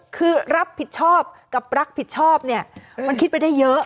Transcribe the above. คือรับผิดชอบกับรับผิดชอบเนี่ยมันคิดไปได้เยอะ